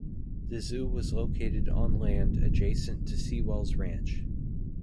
The zoo was located on land adjacent to Seawell's ranch.